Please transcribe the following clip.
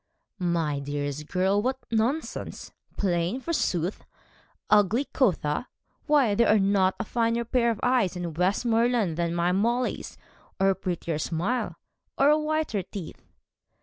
'My dearest girl, what nonsense! Plain, forsooth? Ugly, quotha? Why, there are not a finer pair of eyes in Westmoreland than my Molly's, or a prettier smile, or whiter teeth.'